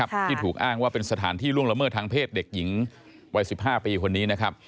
ที่ถูกอ้างว่าเป็นสถานที่ล่วงละเมิดทางเพศเด็กหญิงวัย๑๕ปีคนนี้นะครับ